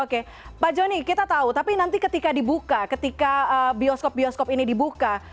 oke pak joni kita tahu tapi nanti ketika dibuka ketika bioskop bioskop ini dibuka